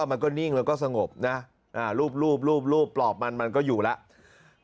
มันก็นิ่งแล้วก็สงบนะรูปรูปปลอบมันมันก็อยู่แล้ว